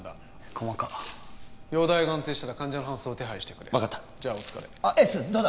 細かっ容体が安定したら患者の搬送を手配してくれ分かったじゃあお疲れエースどうだ？